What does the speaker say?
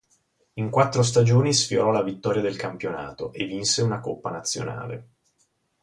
In quattro stagioni sfiorò la vittoria del campionato e vinse una coppa nazionale.